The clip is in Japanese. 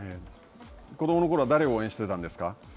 子どものころは誰を応援していたんですか。